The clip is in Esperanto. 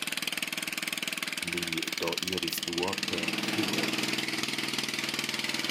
Ni do iris duope plue.